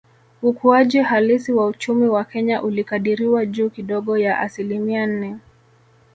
Ukuaji halisi wa uchumi wa Kenya ulikadiriwa juu kidogo ya asilimia nne